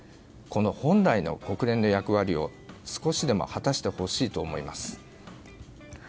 この本来の国連の役割を少しでも果たしてほしいと思います。